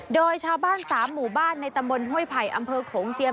โดยชาวบ้าน๓หมู่บ้านในตำบลห้วยไผ่อำเภอโขงเจียม